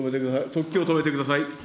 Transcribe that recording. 速記を止めてください。